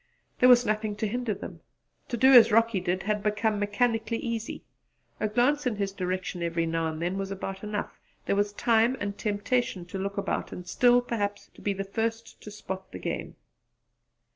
There was nothing to hinder them: to do as Rocky did had become mechanically easy; a glance in his direction every now and then was enough; there was time and temptation to look about and still perhaps to be the first to spot the game.